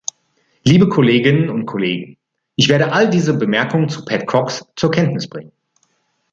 Liebe Kolleginnen und Kollegen, ich werde all diese Bemerkungen Pat Cox zur Kenntnis bringen.